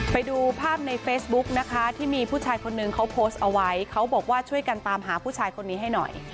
ไปดูภาพในเฟซบุ๊กนะคะที่มีผู้ชายคนนึงเขาโพสต์เอาไว้เขาบอกว่าช่วยกันตามหาผู้ชายคนนี้ให้หน่อย